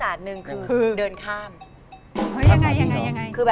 หรอเอาอย่างนั้นเลยเหรอ